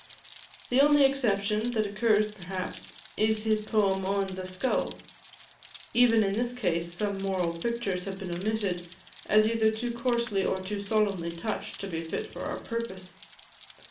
The only exception that occurs, perhaps, is his poem on "The Skull." Even in this case some moral pictures have been omitted, as either too coarsely or too solemnly touched, to be fit for our purpose.